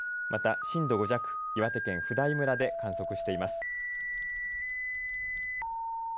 また震度５弱岩手県普代村で観測しています。